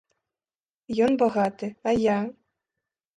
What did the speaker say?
Ён багаты, а я?